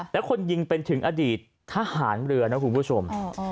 แล้วคนยิงเป็นถึงอดีตทหารเรือนะคุณผู้ชม